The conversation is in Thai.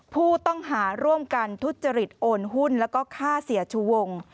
ผู้ต้องหาร่วมกันทุจริตโอนหุ้นแล้วก็ฆ่าเสียชูวง